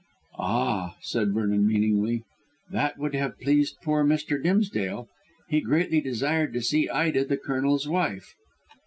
"Ah!" said Vernon meaningly, "that would have pleased poor Mr. Dimsdale. He greatly desired to see Ida the Colonel's wife."